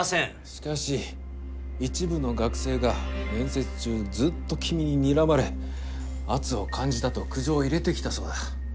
しかし一部の学生が面接中ずっと君ににらまれ圧を感じたと苦情を入れてきたそうだ。